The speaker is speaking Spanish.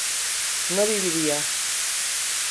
no viviría